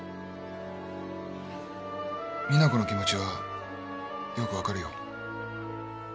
実那子の気持ちはよく分かるよ。